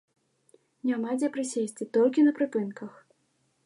Няма дзе прысесці, толькі на прыпынках!